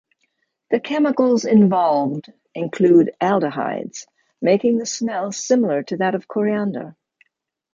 The chemicals involved include aldehydes, making the smell similar to that of coriander.